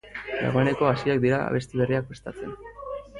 Dagoeneko hasiak dira abesti berriak prestatzen.